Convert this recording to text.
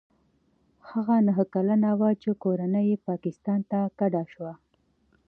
هغه نهه کلن و چې کورنۍ یې پاکستان ته کډه شوه.